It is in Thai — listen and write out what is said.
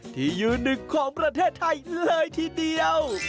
ที่ยืนหนึ่งของประเทศไทยเลยทีเดียว